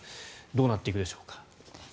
どうなっていくでしょうか。